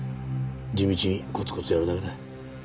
地道にコツコツやるだけだ。